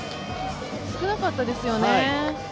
少なかったですよね。